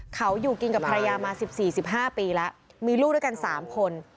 เขาอยู่กินกับภรรยามา๑๔๑๕ปีแล้วมีลูกด้วยกัน๓คน